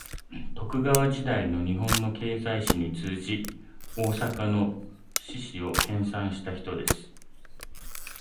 徳川時代の日本の経済史に通じ、大阪の市史を編纂した人です